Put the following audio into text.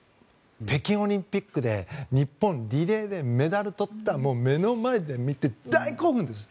北京オリンピックで日本リレーでメダルを取ったもう目の前で見て大興奮です。